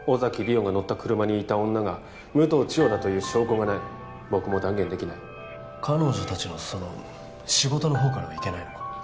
桜が乗った車にいた女が武藤千代だという証拠がない僕も断言できない彼女達のその仕事のほうからはいけないのか？